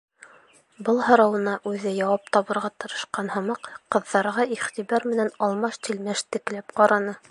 Был һорауына үҙе яуап табырға тырышҡан һымаҡ, ҡыҙҙарға иғтибар менән алмаш-тилмәш текләп ҡараны.